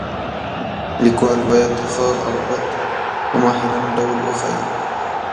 لیکوال باید ښه او بد په ماهرانه ډول وښایي.